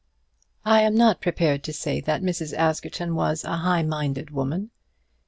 I am not prepared to say that Mrs. Askerton was a high minded woman.